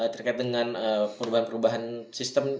terkait dengan perubahan perubahan sistem